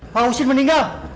pak husin meninggal